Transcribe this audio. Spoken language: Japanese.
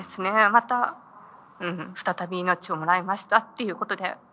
また再び命をもらいましたっていうことで。